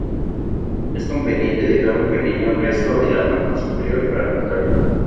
Es conveniente dejar un pequeño resto en la parte superior para cortarlo.